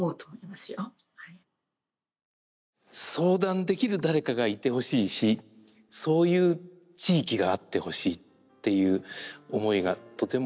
相談できる誰かがいてほしいしそういう地域があってほしいっていう思いがとても強くなりました。